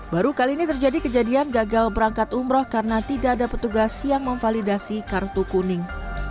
baru kali ini terjadi kejadian gagal berangkat umroh karena tidak ada petugas yang memvalidasi kartu kuning